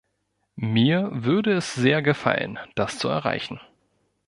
Mir würde es sehr gefallen, das zu erreichen.